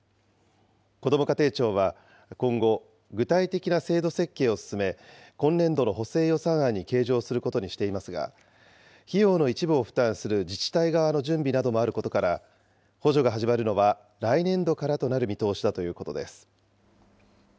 こども家庭庁は、今後、具体的な制度設計を進め、今年度の補正予算案に計上することにしていますが、費用の一部を負担する自治体側の準備などもあることから、補助が始まるのは、来年度からとなる見通しだということです。